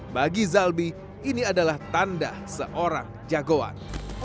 bagi zalbi ini adalah tanda seorang jagoan